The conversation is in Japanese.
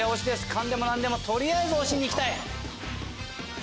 勘でも何でも取りあえず押しにいきたい！